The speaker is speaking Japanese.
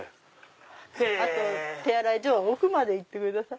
あと手洗い所は奥まで行ってください。